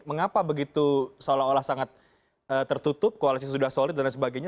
mengapa begitu seolah olah sangat tertutup koalisi sudah solid dan lain sebagainya